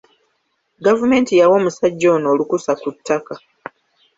Gavumenti yawa omusajja ono olukusa ku ttaka.